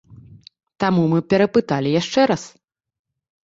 Таму мы перапыталі яшчэ раз.